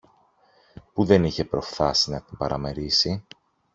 που δεν είχε προφθάσει να την παραμερίσει.